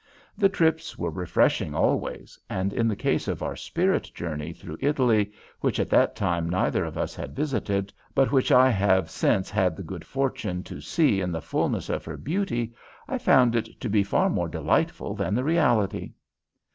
The trips were refreshing always, and in the case of our spirit journey through Italy, which at that time neither of us had visited, but which I have since had the good fortune to see in the fulness of her beauty, I found it to be far more delightful than the reality.